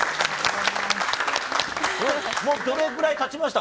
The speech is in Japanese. もうどれぐらいたちました？